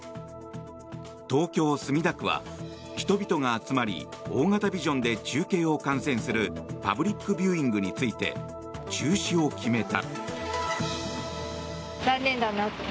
東京・墨田区は、人々が集まり大型ビジョンで中継を観戦するパブリックビューイングについて中止を決めた。